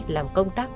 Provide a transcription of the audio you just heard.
làm công tác